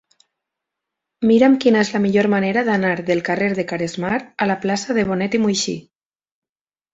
Mira'm quina és la millor manera d'anar del carrer de Caresmar a la plaça de Bonet i Muixí.